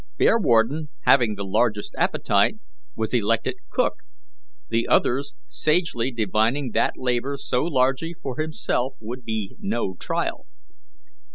Bearwarden, having the largest appetite, was elected cook, the others sagely divining that labour so largely for himself would be no trial.